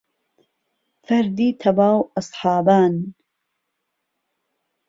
فەردی تهواو ئهسحابان